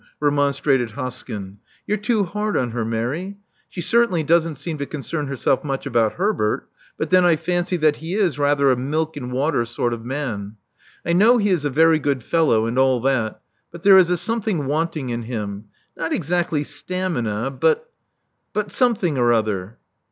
*' remonstrated Hoskyn. You're too hard on her, Mary. She certainly doesn't seem to concern herself much about Herbert : but then I fancy that he is rather a milk and water sort of man. I know he is a very good fellow, and all that : but there is a something wanting in him — not exactly stamina, but — but something or other."